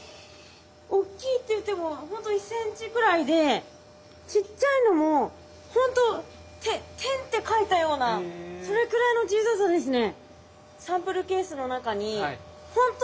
大きいっていってもほんと１センチくらいでちっちゃいのもほんと点って書いたようなそれくらいの小ささですね。